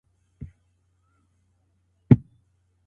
که ښوونکی یوازي خپله خبرې وکړي نو درس ستړی کوونکی کیږي.